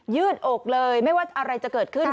ืดอกเลยไม่ว่าอะไรจะเกิดขึ้น